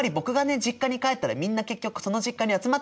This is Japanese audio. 実家に帰ったらみんな結局その実家に集まってくれたりするの。